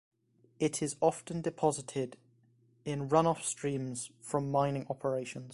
It is often deposited in run-off streams from mining operations.